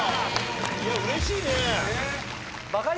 いやうれしいね。